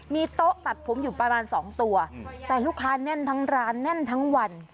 มีโต๊ะตัดผมอยู่ประมาณ๒ตัวแต่ลูกค้าแน่นทั้งร้านแน่นทั้งวัน